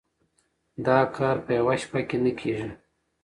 دا کار په يوه شپه کي نه کيږي.